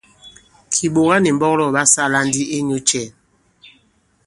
Kìɓòga nì mbɔlɔgɔ̀ ɓa sālā ndi inyū cɛ̄ ?